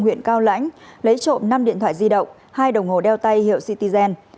huyện cao lãnh lấy trộm năm điện thoại di động hai đồng hồ đeo tay hiệu citygen